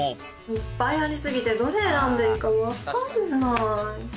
いっぱいあり過ぎて、どれ選んでいいか分かんない。